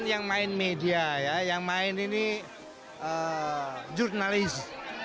jadi yang main media ya yang main ini jurnalis